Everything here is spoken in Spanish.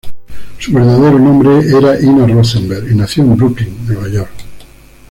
Su verdadero nombre era Ina Rosenberg, y nació en Brooklyn, Nueva York.